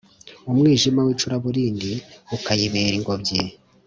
umwijima w’icuraburindi ukayibera ingobyi,